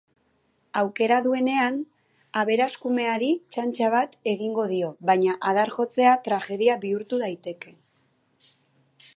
Aukera duenean aberaskumeari txantxa bat egingo dio, baina adarjotzea tragedia bihurtu daiteke.